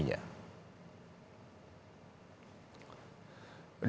kita berdoa untuk cinta kedamaian dan bahagia